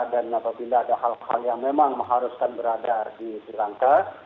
dan apabila ada hal hal yang memang meharuskan berada di sri lanka